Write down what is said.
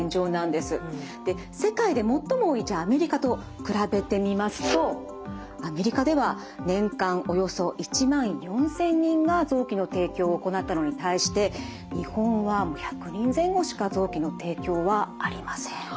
世界で最も多いアメリカと比べてみますとアメリカでは年間およそ１万４，０００人が臓器の提供を行ったのに対して日本は１００人前後しか臓器の提供はありません。